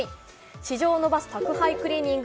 市場を伸ばす宅配クリーニング。